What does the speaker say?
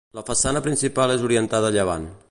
La façana principal és orientada a llevant.